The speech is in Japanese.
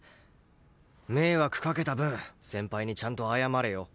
迷惑かけた分先輩にちゃんと謝れよ。